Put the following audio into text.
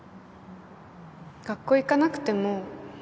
学校行かなくても